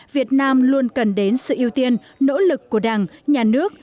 việt nam luôn cần đến sự ưu tiên nỗ lực của đảng nhà nước